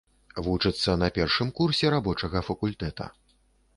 Вучыцца на першым курсе рабочага факультэта.